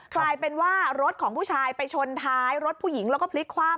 กลายเป็นว่ารถของผู้ชายไปชนท้ายรถผู้หญิงแล้วก็พลิกคว่ำ